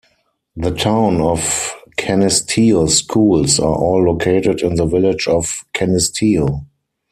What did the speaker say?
The Town of Canisteo's schools are all located in the Village of Canisteo.